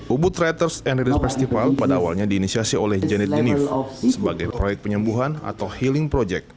ubud writers and readers festival pada awalnya diinisiasi oleh janet denif sebagai proyek penyembuhan atau healing project